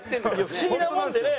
不思議なもんでね。